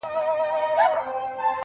هغه نن بيا د چا د ياد گاونډى.